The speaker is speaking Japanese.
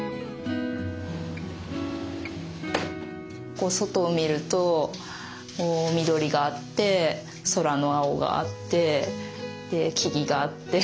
こう外を見ると緑があって空の青があって木々があって。